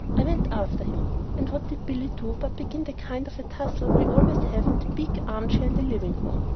I went after him. And what did Billy do but begin the kind of a tussle we always have in the big armchair in the living room!